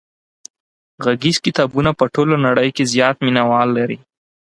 غږیز کتابونه په ټوله نړۍ کې زیات مینوال لري.